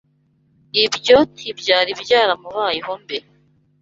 Ibyo ntibyari byaramubayeho mbere.